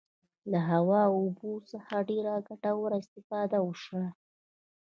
له هوا او اوبو څخه ډیره ګټوره استفاده وشوه.